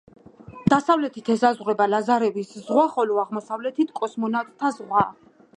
დასავლეთით ესაზღვრება ლაზარევის ზღვა, ხოლო აღმოსავლეთით კოსმონავტთა ზღვა.